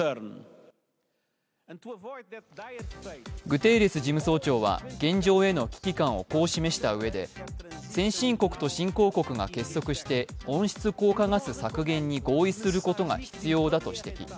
グテーレス事務総長は現状への危機感をこう示したうえで先進国と新興国が結束して温室効果ガス削減に合意することが必要だと指摘。